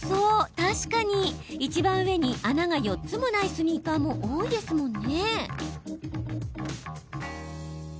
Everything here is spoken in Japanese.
確かに、いちばん上に穴が４つもないスニーカーも多いですもんね。